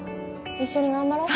一緒に頑張ろう